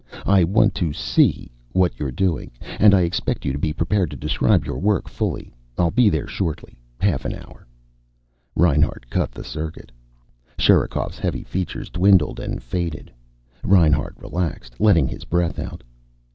I want to see what you're doing. And I expect you to be prepared to describe your work fully. I'll be there shortly. Half an hour." Reinhart cut the circuit. Sherikov's heavy features dwindled and faded. Reinhart relaxed, letting his breath out.